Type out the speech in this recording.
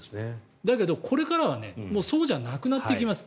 だけど、これからはそうじゃなくなっていきます。